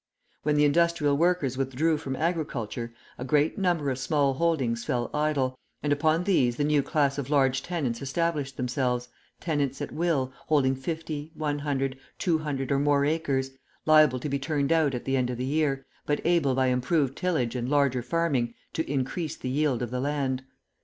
When the industrial workers withdrew from agriculture, a great number of small holdings fell idle, and upon these the new class of large tenants established themselves, tenants at will, holding fifty, one hundred, two hundred or more acres, liable to be turned out at the end of the year, but able by improved tillage and larger farming to increase the yield of the land.